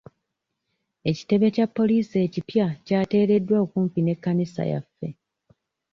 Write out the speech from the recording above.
Ekitebe kya poliisi ekipya kyateereddwa okumpi n'ekkanisa yaffe.